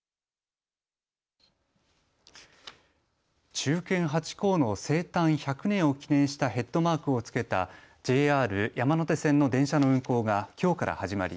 忠犬ハチ公の生誕１００年を記念したヘッドマークを付けたＪＲ山手線の電車の運行がきょうから始まり